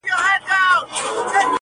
• بې نوره ورځي بې شمعي شپې دي -